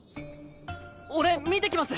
俺見てきます！